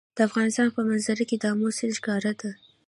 د افغانستان په منظره کې آمو سیند ښکاره ده.